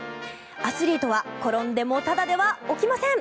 アスリートは転んでもただでは起きません！